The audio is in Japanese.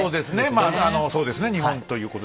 まあそうですね。